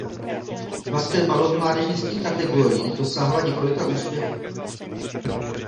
V basketbalu v mládežnických kategoriích dosáhla několika úspěchů.